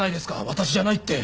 私じゃないって！